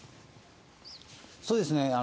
そうですね。